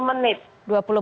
ya sekitar dua puluh menit